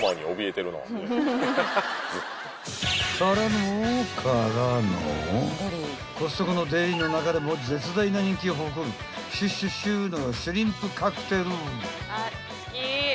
［からのからのコストコのデリの中でも絶大な人気を誇るシュッシュッシューの］